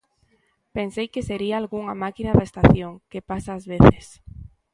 Pensei que sería algunha máquina da estación, que pasa ás veces.